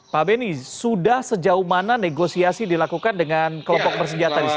pak beni sudah sejauh mana negosiasi dilakukan dengan kelompok bersenjata di sini